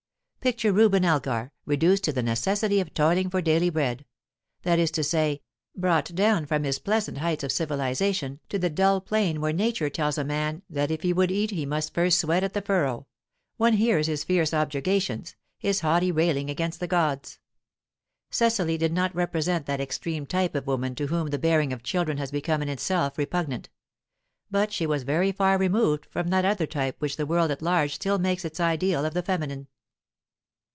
Picture Reuben Elgar reduced to the necessity of toiling for daily bread that is to say, brought down from his pleasant heights of civilization to the dull plain where nature tells a man that if he would eat he must first sweat at the furrow; one hears his fierce objurgations, his haughty railing against the gods. Cecily did not represent that extreme type of woman to whom the bearing of children has become in itself repugnant; but she was very far removed from that other type which the world at large still makes its ideal of the feminine.